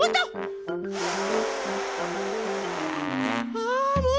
あもう！